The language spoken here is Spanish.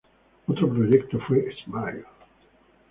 Otro proyecto fue "Smile!